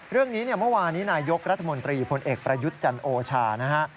เรื่องนี้เมื่อวานี้นายยกรัฐมนตรีผลเอกประยุทธ์จันทร์โอชา